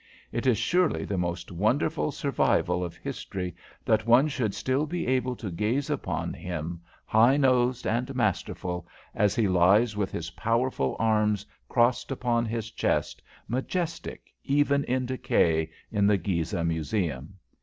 It is surely the most wonderful survival of history that one should still be able to gaze upon him, high nosed and masterful, as he lies with his powerful arms crossed upon his chest, majestic even in decay, in the Gizeh Museum.